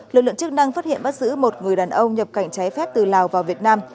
lực lượng chức năng phát hiện bắt giữ một người đàn ông nhập cảnh trái phép từ lào vào việt nam